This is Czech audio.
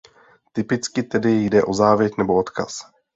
Typicky tedy jde o závěť nebo odkaz.